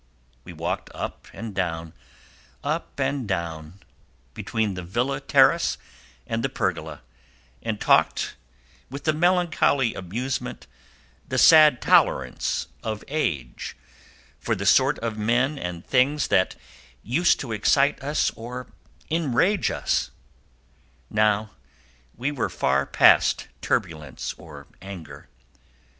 We walked up and down, up and down, between the villa terrace and the pergola, and talked with the melancholy amusement, the sad tolerance of age for the sort of men and things that used to excite us or enrage us; now we were far past turbulence or anger.